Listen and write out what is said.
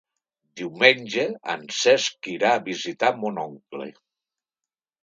Diumenge en Cesc irà a visitar mon oncle.